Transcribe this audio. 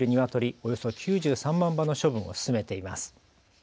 およそ９３万羽の処分を進めています。